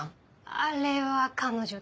あれは彼女だわ。